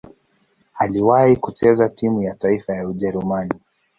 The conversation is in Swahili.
Aliwahi kucheza timu ya taifa ya Ujerumani.